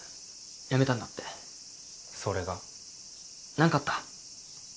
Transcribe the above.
何かあった？